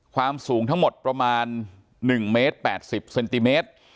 ความสูงทั้งหมดประมาณ๑เมตร๘๐เซนติเมตร